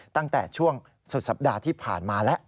ตั้งแต่ช่วงสุดสัปดาห์ที่ผ่านมาแล้ว